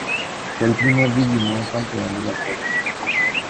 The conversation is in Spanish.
Fue el primer digimon campeón de la serie.